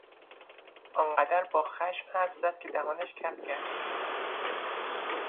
آنقدر با خشم حرف زد که دهانش کف کرد.